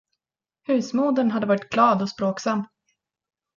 Husmodern hade varit glad och språksam.